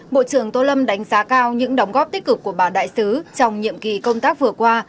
bộ trưởng tô lâm đánh giá cao những đóng góp tích cực của bà đại sứ trong nhiệm kỳ công tác vừa qua